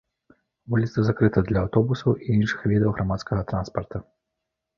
Вуліца закрыта для аўтобусаў і іншых відаў грамадскага транспарта.